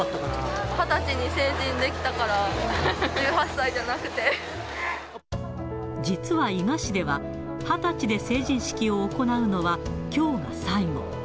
２０歳に成人できたから、実は伊賀市では、２０歳で成人式を行うのはきょうが最後。